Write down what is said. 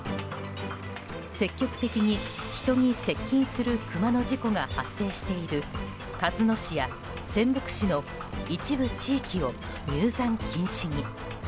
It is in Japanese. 積極的に人に接近するクマの事故が発生している鹿角市や仙北市の一部地域を入山禁止に。